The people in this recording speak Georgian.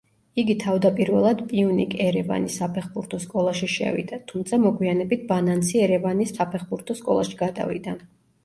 იგი თავდაპირველად პიუნიკ ერევანის საფეხბურთო სკოლაში შევიდა, თუმცა მოგვიანებით ბანანცი ერევანის საფეხბურთო სკოლაში გადავიდა.